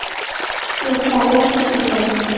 তিনি দাঁড়ি রাখা শুরু করেন।